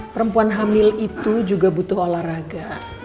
perempuan hamil itu juga butuh olahraga